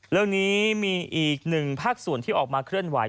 เรื่องนี้มีอีกหนึ่งภาคส่วนที่ออกมาเคลื่อนไห